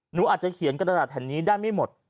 หนูอาจจะเขียนกระดาษแห่งนี้ได้ไม่หมด